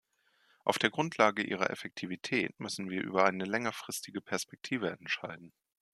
Auf der Grundlage ihrer Effektivität müssen wir über eine längerfristige Perspektive entscheiden.